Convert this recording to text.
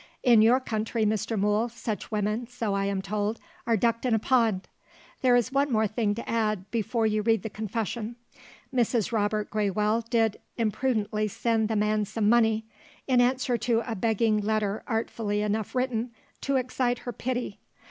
In your country Mr. Mool, such women so I am told are ducked in a pond. There is one thing more to add, before you read the confession. Mrs. Robert Graywell did imprudently send the man some money in answer to a begging letter artfully enough written to excite her pity.